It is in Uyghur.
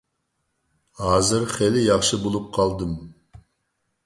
ھازىر خېلى ياخشى بولۇپ قالدىم.